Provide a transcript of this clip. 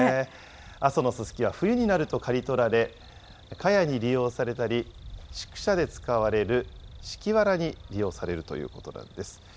阿蘇のススキは冬になると刈り取られ、かやに利用されたり、畜舎で使われる敷きわらに利用されるということなんです。